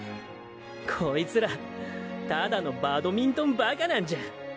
こいつらただのバドミントンバカなんじゃん。